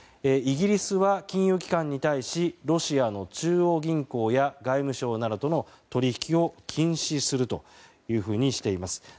イギリスは金融機関に対しロシアの中央銀行や外務省などとの取引を禁止するというふうにしています。